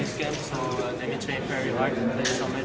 dan saya akan belajar beberapa hal